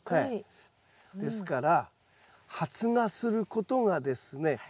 ですから発芽することがですね